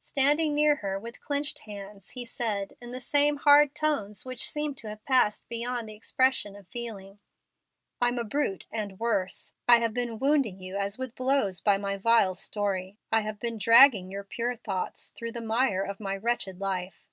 Standing near her with clenched hands, he said, in the same hard tones which seemed to have passed beyond the expression of feeling, "I'm a brute and worse. I have been wounding you as with blows by my vile story. I have been dragging your pure thoughts through the mire of my wretched life."